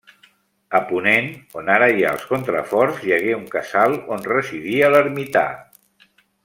A ponent, on ara hi ha els contraforts, hi hagué un casal on residia l'ermità.